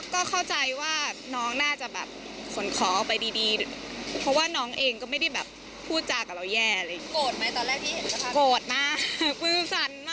ก็เข้าใจว่าน้องน่าจะแบบฝนคอออกไปดีเพราะว่าน้องเองก็ไม่ได้แบบพูดจากเราแย่เลย